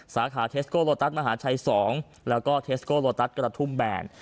สาขาเทสโกโลตัสมหาชัย๒แล้วก็เทสโกโลตัสกระทุ่มแบน